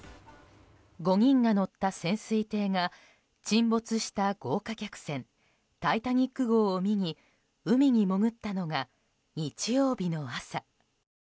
５人が乗った潜水艇が沈没した豪華客船「タイタニック号」を見に海に潜ったのが日曜日の朝。